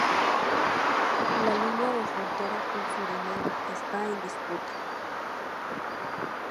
La línea de frontera con Surinam está en disputa.